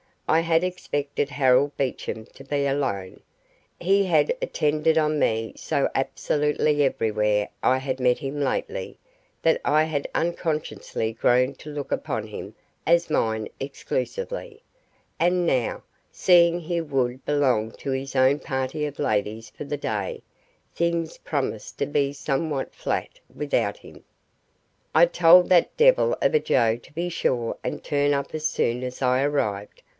I had expected Harold Beecham to be alone. He had attended on me so absolutely everywhere I had met him lately, that I had unconsciously grown to look upon him as mine exclusively; and now, seeing he would belong to his own party of ladies for the day, things promised to be somewhat flat without him. "I told that devil of a Joe to be sure and turn up as soon as I arrived.